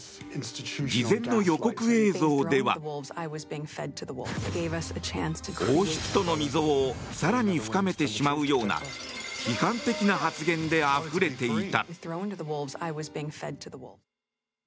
事前の予告映像では王族との溝を更に深めてしまうような批判的な発言であふれていた。